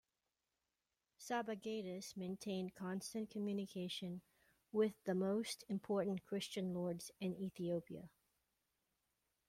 "Sabagadis" maintained constant communication with the most important Christian lords in Ethiopia.